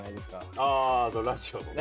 ああラジオのね。